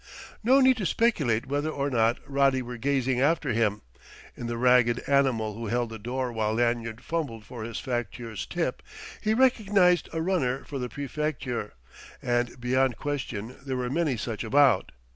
No need to speculate whether or not Roddy were gazing after him; in the ragged animal who held the door while Lanyard fumbled for his facteur's tip, he recognized a runner for the Préfecture; and beyond question there were many such about.